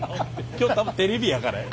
今日多分テレビやからや。